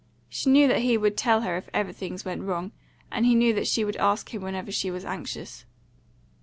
She knew that he would tell her if ever things went wrong, and he knew that she would ask him whenever she was anxious.